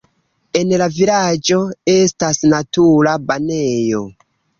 En la vilaĝo estas natura banejo.